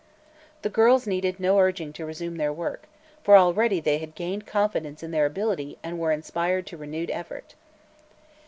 The girls needed no urging to resume their work, for already they had gained confidence in their ability and were inspired to renewed effort.